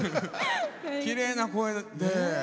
きれいな声で。